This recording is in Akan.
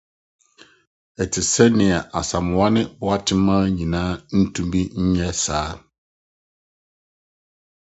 Ɛte sɛ nea Asamoah ne Boatemaa nyinaa ntumi nyɛ saa.